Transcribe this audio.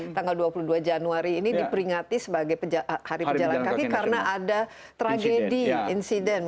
tanggal dua puluh dua januari ini diperingati sebagai hari pejalan kaki karena ada tragedi insiden